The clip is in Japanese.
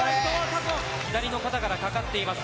左の肩からかかっています。